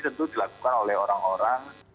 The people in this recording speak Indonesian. tentu dilakukan oleh orang orang